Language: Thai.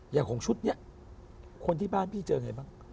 อย่างของชุดนี้คนที่บ้านพี่เจอไงบ้าง